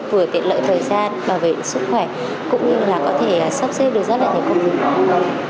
vừa tiện lợi thời gian bảo vệ sức khỏe cũng như là có thể sắp xếp được rất là nhiều công việc